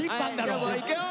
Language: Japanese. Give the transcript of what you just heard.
じゃあもういくよ！